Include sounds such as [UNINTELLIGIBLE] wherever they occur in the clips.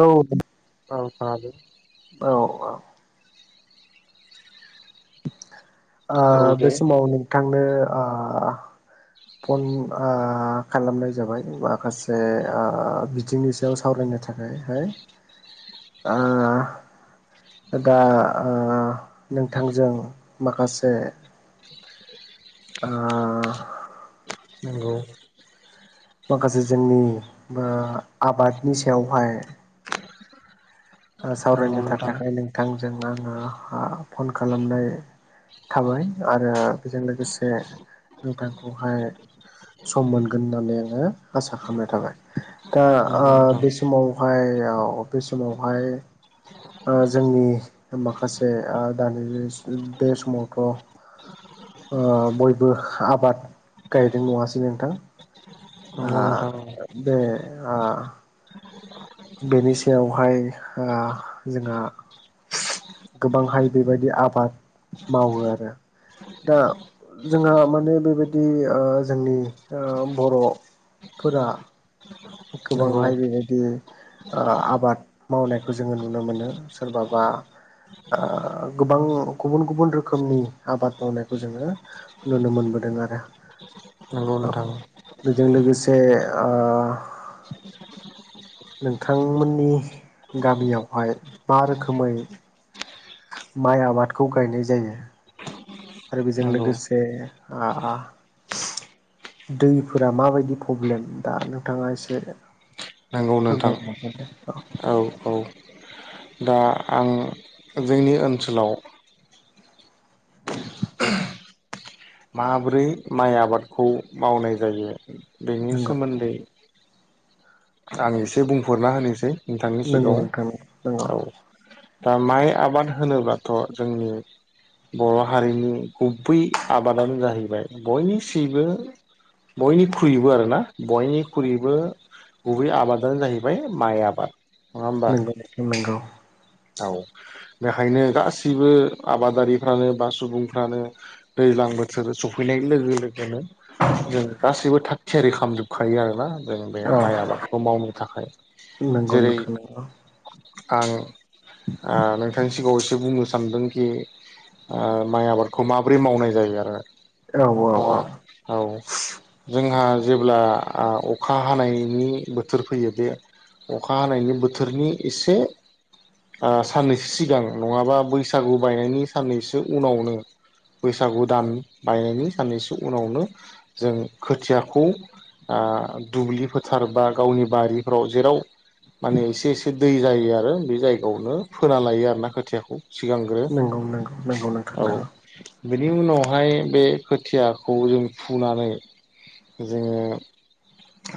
औ [UNINTELLIGIBLE] औ आ ओ औ बे दे समाव नोंथांनो आह फन आह खालामनाय जाबाय माखासे आह बिथिंनि सायाव सावरायनो थाखाय [UNINTELLIGIBLE] हाय‌ आह दा ओह नोंथांजों माखासे आह नंगौ माखासे जोंनि बा आबादनि सायावहाय ओ नंगौ सावरायनो नोंथां थाखाखाय नोंथांजों आङो आ फन खालामनाय थाबाय आरो बेजों लोगोसे नोंथांखौहाय सम मोनगोन होननानै आङो आसा खालामनाय थाबाय दा नंगौ ओ बे समावहाय ओव बे समावहाय जोंनि माखासे दानि बे समावथ' ओ बयबो आबाद गायदों नङासै नोंथां [INAUDIBLE] आ बेनि सायावहाय ओह जोंहा गोबांहाय बेबायदि आबाद मावो आरो दा जोंहा माने बेबायदि ओ जोंनि ओ बर' फोरा नंगौ नोंथां नंगौ गोबांहाय बेबायदि आबाद मावनायखौ जोङो नुनो मोनो सोरबाबा आ गोबां गुबुन गुबुन रोखोमनि आबाद मावनायखौ जोङो नुनो मोनबोद दों आरो नंगौ औ नोथां बेजों लोगोसे ओ [INAUDIBLE] नोंथांमोननि गामियावहाय मा रोखोमै माइ आबादखौ गायनाय जायो आरो बेजों नंगौ लोगोसे आ दैफोरा माबायदि फ्रब्लेम दा नोंथाङा एसे नंगौ नोंथां फोरमायनो हागोन दे औ औ दा आं जोंनि ओनसोलाव माबोरै माइ आबादखौ मावनाय जायो बेनि नंगौ सोमोन्दै आं एसे बुंहरना होनोसै नोंथांनि नंगौ सिगाङाव नोंथां नंगौ औ दा माइ आबाद होनोब्लाथ' जोंनि बर' हारिनि गुबै आबादानो जाहैबाय बयनिसिबो बयनिख्रुइबो आर ना बयनिख्रुइबो गुबै आबादानो जाहैबाय माइ आबाद नङा होमबा नोंगौ नोंथां नोंगौ औ बेखायनो गाससिबो आबादारिफ्रानो बा सुबुंफ्रानो दै ज्लां बोथोर सफैनाय लोगो लोगोनो जों गासैबो थाग थियारि खालामामजोबखायो आरोना जों बे औ माइ आबादखौ मावनो थाखाय नंगौ जेरै नोंथां नंगौ आं नोंथांनि सिगाङाव जे बुंनो सानदोंखि ओ माइ आबादखौ माबोरै मावनाय जायो आरो औ औ आ औ औ जोंहा जेब्ला अखा हानायनि बोथोर फैयो बे अखा हानायनि बोथोरनि एसे साननैसो सिगां नङाबा बैसागु बायनायनि साननैसो उनावनो बैसागु दान बायनायनि साननैसो उनावनो जों खोथियाखौ आ दुब्लि फोथार बा गावनि बारिफ्राव जेराव माने एसे एसे दै जायो आरो बे जायगायावनो फोना लायो आर ना खोथियाखौ सिगांग्रो नंगौ नंगौ नंगौ नोंथां औ नंगौ बेनि उनावहाय बे खोथियाखौ जों फुनानै जोङो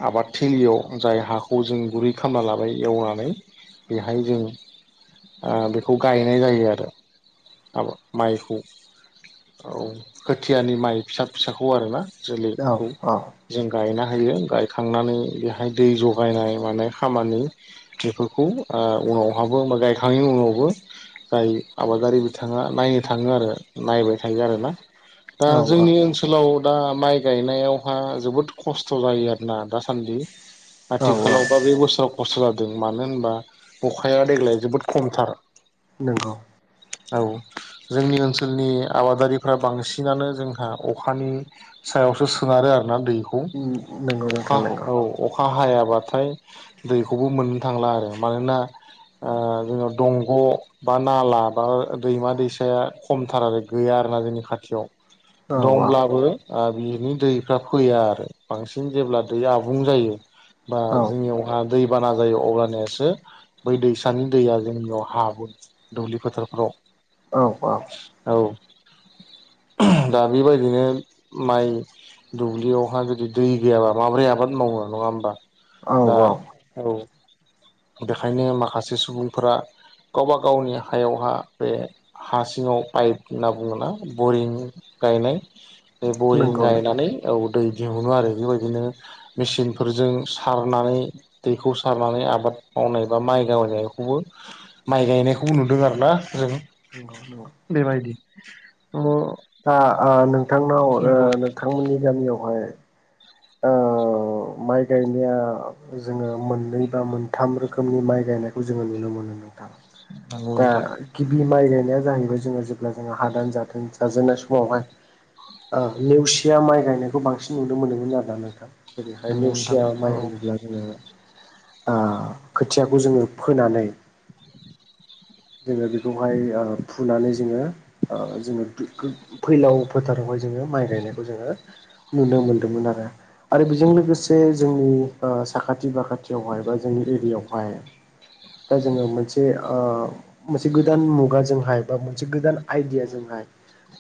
आबाद थिलियाव जाय हाखौ जों गुरै खामना लाबाय एवनानै बेहाय जों बेखौ गायनाय जायो आरो माबा माइखौ औ खोथियानि माइ फिसा फिसाखौ आरोना औ जोलैखौ औ जों गायना गायो गायखांनानैहाय दै जायनाय मानाय खामानि बेफोरखौ उनाव औ गायखांनायनि उनावबो गाय आबादारि बिथाङा नायनो थाङो आरो नायबाय थायो आरोना दा औ औ जोंनि ओनसोलाव, दा माइ गायनायावहा जोबोद खस्थ' जायो आरोना खान्दि औ आथिखालावबा बे बोसोराव खस्थ' जादों मानो होनबा अखाया देग्लाय जोबोद खमथार नंगौ औ जोंनि ओनसोलनि आबादारिफ्रा बांसिनानो जोंहा अखानि सा सायावसो सोनारो आरोना दैखौ नंगौ अखा नोंथां नंगौ औ अखा हाया हाबाथाय दैखौबो मोननो थांला आरो मानोना, ओ जोंनाव दंग' बा नाला, बा दैमा दैसाया खमथार आरो गैया आरोना जोंनि खाथियाव औ दंब्लाबो, आ बिनि दैफ्रा फैया आरो बांसिन जेब्ला दै आबुं जायो। बा औ जोंनियावहा, दै बाना जायो अब्लानासो बै दैसानि दैया जोंनियाव हाबो दुब्लि फोथार र' औ औ दा बेबायदिनो माइ दुब्लियावहा जुदि दै गैयाबा माबोरै आबाद मावो नङा होमबा, औ दा औ औ बेखायनो माखासे सुबुंफोरा गावबा गावनि हायावहा, बे हा सिङाव पाइप होनना बुङोना बरिं गायनाय, बे बरिं नंगौ नोंथां गायनानै औ दै दिहुनो आरो बेबायदिनो मेसिनफोरजों सारनानै दैखौ सारनानै आबाद मावनाय बा माइ गावनायखौबो माइ गायनायखौबो नुदों आरो ना? नोंगौ नोंगौ अ दा ओ नोंथांनाव ओ नोंथांमोननि गामियावहाय, ओ अ माइ गायनाया जोङो मोननै बा मोनथाम रोखोमनि माइ गायनायखौ जोङो नुनो मोनो नंगौ दा नोंथां गिबि माइ गाय खोथाया जाहैबाय जोङो जेब्ला जोङो हादान जादों जाजेननाय समावहाय, ओ नेवसिया माइ गायनायखौ बांसिन नुनो मोनोमोन आरो ना नोंथां, जेरैहाय नंगौ नोंथां नेवसिया माइ औ होनोब्ला जोङो, ओ खोथियाखौ जोङो फोनानै, जोङो बेखौहाय ओ फुनानै जोङो ओ जोङो बेखौ फैलाव फोथारावहाय, जोङो माइ गायनायखौ जोङो, नुनो मोनदोंमोन आरो आरो बेजों लोगोसे जोंनि ओ साखाथि बाखाथियावहाय बा जोंनि, एरियावहाय दा जोङो मोनसे ओ, मोनसे गोदान मुगाजोंहाय बा मोनसे गोदान नंगौ आइडियाजोंहाय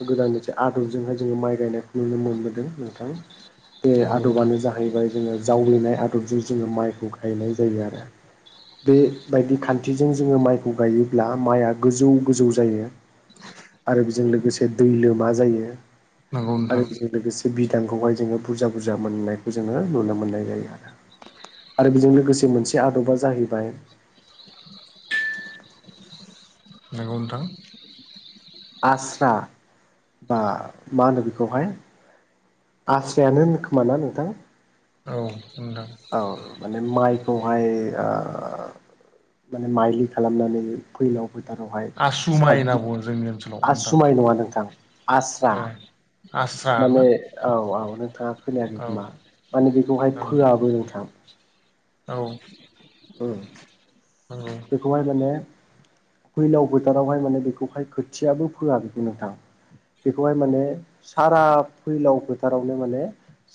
गोदान मोनसे आदबजों हाय जोङो माइ गायनायखौ नुनो मोनबोदों नोंथां बे नंगौ नोंथां आदबानो जाहैबाय जोङो, जावलिनाय आदबजों जोङो माइखौ गायनाय जायो आरो बेबायदि खान्थिजों जोङो माइखौ गायो। ब्ला माइआ गोजौ गोजौ जायो आरो बेजों लोगोसे दै लोमा जायो। नंगौ नोंथां आरो बेजों लोगोसे बिदांखौहाय जोङो बुरजा बुरजा मोननायखौ जोङो नुनो मोननाय जायो आरो [INAUDIBLE] दा बेजों लोगोसे मोनसे आदबा जाहैबाय, [INAUDIBLE] नोंगौ नोंथां, आस्रा बा मा होनो बेखौहाय, आस्रायानो होनो खोमा ना नोंथां औ नोंथां औ माने माइ, खौहाय ओ माने माइलि खालामनानै फैलाव फोथारावहाय आसु माइ होनना सातदिन बुङो जोंनि ओनसोलाव नोंथां आसुमाय नङा नोंथां आस्रा ए आस्रा माने ना औ औ नोंथाङा खोनायाखै औ खोमा माने बेखौहाय नंगौ फोआबो नोंथां औ उ नंगौ बेखौहाय माने फैलाव फोथारावहाय माने बेखौहाय खोथियाबो फोआ बेखौ नोंथां बेखौहाय माने सारा फैलाव फोथारावनो माने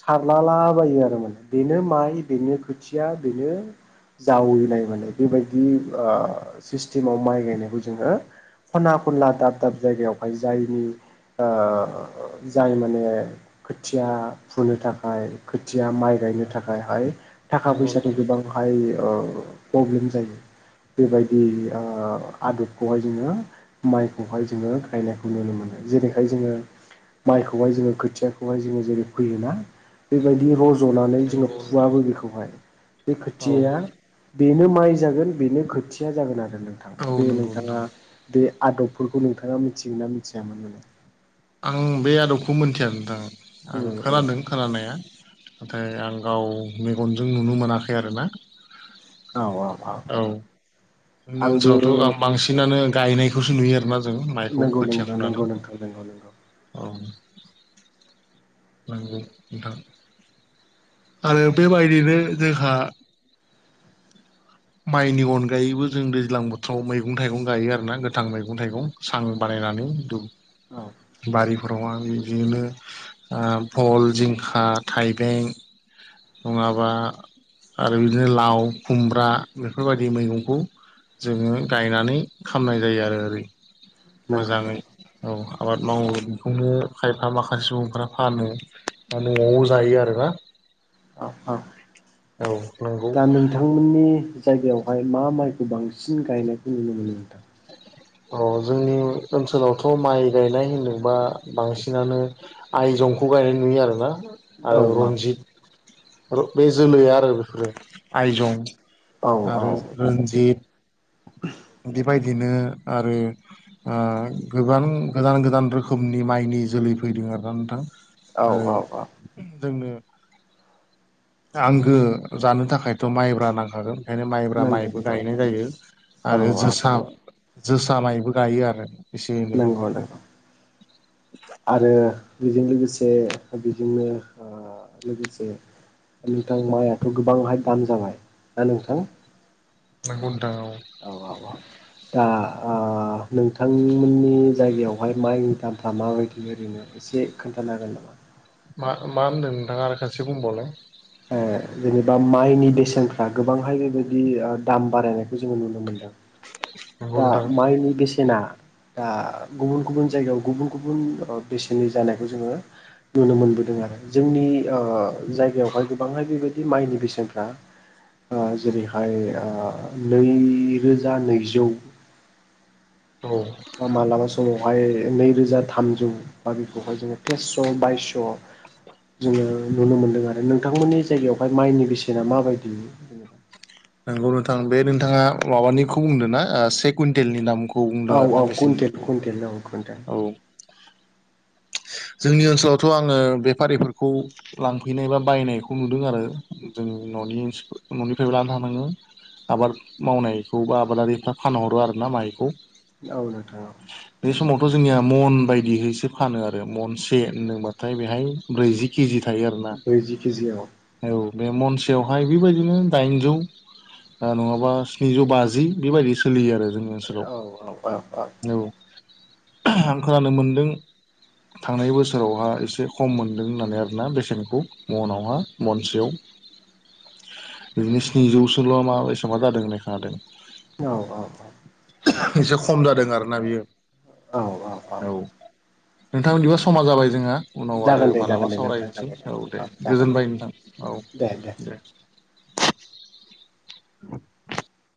सारलालाबायो आरो माने बेनो माइ बेनो खोथिया बेनो जावैनाय माने बेबायदि ओ सिस्टेमाव माइ गायनायखौ जोङो खना खनला दाब दाब जायगायावहाय जायनि ओ जाय माने खोथिया फुनो थाखाय खोथिया माइ गायनो थाखायहाय थाखा नंगौ फैसानि नोंथां गोबांहाय ओ प्रब्लेम जायो बेबायदि ओ आदबखौहाय जोङो माइखौहाय जोङो गायनायखौ नुनो जेरैहाय जोङो माइखौहाय जोङो खोथियाखौहाय जोङो जेरै फैयोना बेबायदि रज'नानै जोङो नंगौ नोंथां फुवाबो बेखौहाय बे औ खोथिया बेनो माइ जागोन बेनो खोथिया जागोन आरो नोंथां औ बे नंगौ नोंथां नोंथाङा बे आदबफोरखौ नोंथाङा मिथिगोन ना मिथिया [UNINTELLIGIBLE] आं बे आदबखौ मोन्थिया नोंथां उम आं उम खोनादों खोनानाया नाथाय आं गाव मेगनजों नुनो मोनाखै आरो ना औ औ औ जोंनि आंबो ओनसोलावथ' बां बांसिनानो गायनायखौसो नुयो आरो जों माइखौ नंगौ खोथिया नंगौ फुनानै नंगौ नोंथां नंगौ नंगौ औ नंगौ नोंथां आरो बेबायदिनो जोंहा [INAUDIBLE] माइनि अनगायैबो जों दैज्लां बोथोराव मैगं थाइगं गायो आरोना गोथां मैगं थाइगं सां बानायना औ [UNINTELLIGIBLE] बर'आ बिदिनो ओ फल जिंखा थाइबें नङाबा आरो बिदिनो लाव खुमब्रा बेफोरबायदि मैगंखौ जोङो गायनानै खामनाय जायो आरो ओरै नंगौ नंगौ मोजाङै औ आबाद मावो बेखौनो खायफा माखासे सुबुंफ्रा फानो न'आव जायो आरोना अ अ औ नंगौ दा नोंथांमोननि जायगायावहाय मा माइ बांसिन गायनायखौ नुनो मोनो नोंथां? औ जोंनि ओनसोलावथ' माइ गायनाय होनोबा बांसिनानो आइजं खौ गायनाय नुयो आरोना औ आरो रनजित र बे जोलैआ आरो बेफोरो आइजं औ आरो रन्जित बेबायदिनो आरो ओ गोबां गोदान गोदान रोखोमनि माइनि जोलै फैदों आरोना नोंथां औ आरो औ जोंनो आंगो जानो थाखायथ' माइब्रा नांखागोन ओंखायनो माइब्रा नंगौ माइबो गायनाय जायो औ आरो औ जोसा जोसा माइबो गायो आरो एसे एनै नोंगौ नोंगौ आरो बेजों लोगोसे बेजोंनो ओ लोगोसे नोंथां मायाथ' गोबांहाय दाम जाबाय दा नोंथां नोंगौ नों औ औ औ दा ओ ओ नोंथांमोननि जायगायावहाय माइनि दामफ्रा माबायदि ओरैनो एसे खोन्थानो हागोन। [INAUDIBLE] मा मा होनदों नोंथाङा? आरो खसे बुंबावलाय। ओ जेनेबा माइनि बेसेनफ्रा गोबांहाय बेबायदि ओ दाम बारायनायखौ जोङो नुनो मोनदों। नंगौ दा नोंथां माइनि बेसेना दा गुबुन गुबुन जायगायाव गुबुन गुबुन बेसेननि जानायखौ जोङो नुनो मोनबोदों आरो। जोंनि ओ जायगायावहाय गोबांहाय बेबायदि माइनि बेसेनफ्रा ओ जेरैहाय नैरोजा नैजौ औ बा मालाबा समावहाय नैरोजा थामजौ बा बेखौहाय जोङो तेस्स' बायसस' [UNINTELLIGIBLE] मोनदों आर नोंथांमोननि जायगायावहाय माइनि बेसेना माबायदि जेनेबा नंगौ नोंथां बे नोंथाङा माबानिखौ बुंदों ना से कुइन्टेलनि दामखौ खौ औ बुंदों औ आरोना कुइन्टेल बेसेननिखौ कुइन्टेल औ कुइन्टेल औ [INAUDIBLE] जोंनि ओनसोलावथ' आङो बेफारिफोरखौ लांफैनाय बा बायनायखौ नुदों आरो जों न'नि न'निफ्रायबो लानो हानाङो। आबाद मावनायखौ बा आबादारिफ्रा फानहरो आरोना माइखौ औ नोंथां औ बे समावथ' जोंनिया मन बायदिहैसो फानो आरो महनसे होनदोंबाथाय बेहाय ब्रैजि केजि था थायो आरोना ब्रैजि केजियाव औ बे महनसेयावहाय बेबायदिनो दाइनजौ। ओ नङाबा स्निजौ बाजि बेबायदि सोलियो आरो। जोंनि ओनसोलाव औ औ औ औ आं खोनानो मोनदों। [INAUDIBLE] थांनाय बोसोरावहा एसे खम मोनदों होननानै आरोना बेसेनखौ मनावहा मनसेयाव। [INAUDIBLE] बिदिनो स्निजौसोल नामाबा एसेबां जादों होननाय खोनादों। औ-औ-औ। एसे खम जादों आरो ना बियो औ। नोंथां बिदिबा समा जाबाय जोंहा। उनाव जागोन आरो दे मालाबा जागोन दे नोंथां सावरायसै जागोन औ दे जागोन दे गोजोनबाय नोंथां औ दे। [INAUDIBLE] [INAUDIBLE]